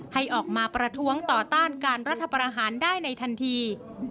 ให้ออกมาประท้วงต่อต้านการรัฐประหารได้ในทันที